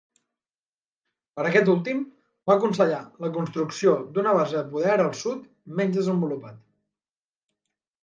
Per a aquest últim, va aconsellar la construcció d'una base de poder al sud menys desenvolupat.